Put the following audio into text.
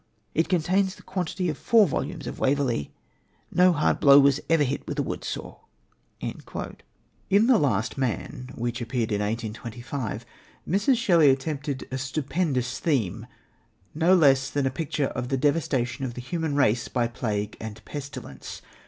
It contains the quantity of four volumes of Waverley. No hard blow was ever hit with a woodsaw." In The Last Man, which appeared in 1825, Mrs. Shelley attempted a stupendous theme, no less then a picture of the devastation of the human race by plague and pestilence.